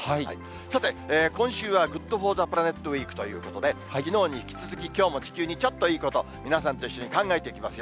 さて、今週はＧｏｏｄＦｏｒｔｈｅＰｌａｎｅｔということで、きのうに引き続き、きょうも地球にちょっといいこと、皆さんと一緒に考えていきますよ。